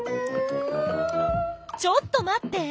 ちょっと待って！